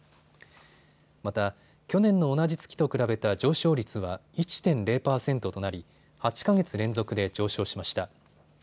また、去年の同じ月と比べた上昇率は１．０％となり８か月連続で上昇しました。